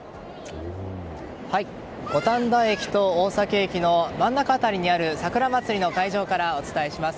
五反田駅と大崎駅の真ん中辺りにある桜まつりの会場からお伝えします。